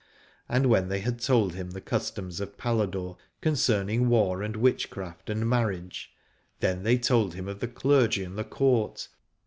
And when they had told him the customs of Paladore concerning war and witchcraft and marriage, then they told him of the clergy and the Court.